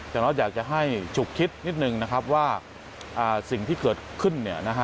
จังรถอยากจะให้ฉุกคิดนิดนึงว่าสิ่งที่เกิดขึ้น